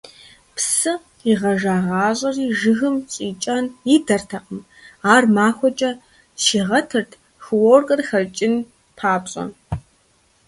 Псы къигъэжагъащӀэри жыгым щӀикӀэн идэртэкъым, ар махуэкӀэ щигъэтырт, хлоркэр хэкӀын папщӀэ.